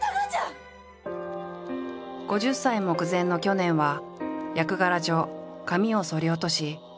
５０歳目前の去年は役柄上髪をそり落とし飽く